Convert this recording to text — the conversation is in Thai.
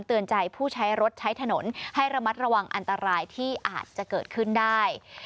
เตือนใจผู้ใช้รถใช้ถนนให้ระมัดระวังอันตรายที่อาจจะเกิดขึ้นได้